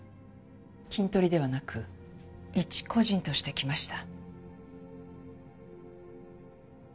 キントリではなく一個人として来ました。